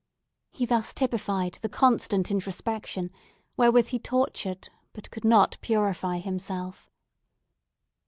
He thus typified the constant introspection wherewith he tortured, but could not purify himself.